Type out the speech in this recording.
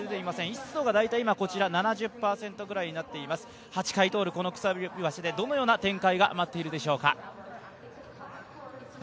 湿度が大体７０％ほどとなっていました、８回通る鎖橋でどのような展開が待っているでしょうか。